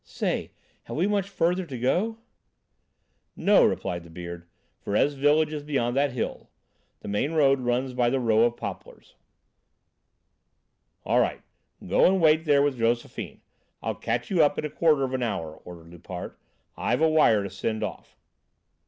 "Say, have we much further to go?" "No," replied the Beard. "Verrez village is behind that hill. The main road runs by the row of poplars." "All right. Go and wait there with Josephine. I'll catch you up in a quarter of an hour," ordered Loupart. "I've a wire to send off."